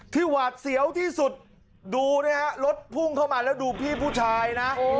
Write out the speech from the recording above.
หวาดเสียวที่สุดดูนะฮะรถพุ่งเข้ามาแล้วดูพี่ผู้ชายนะ